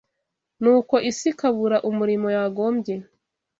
Nuko isi ikabura umurimo yagombye